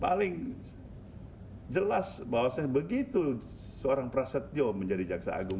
paling jelas bahwa begitu seorang prasetyo menjadi jaksa agung